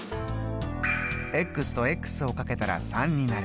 とをかけたら３になる。